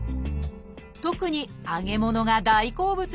特に揚げ物が大好物でした